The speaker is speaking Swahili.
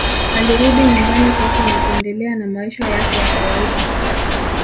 Alirudi nyumbani kwake na kuendelea na maisha yake ya kawaida